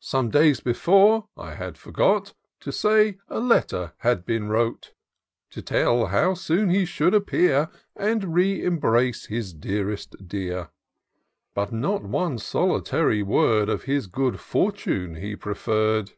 Some days before, (I had forgot To say,) a letter had been wrote. To tell how soon he should appear. And re embrace his dearest dear; But not one solitary word Of his good fortune he preferred.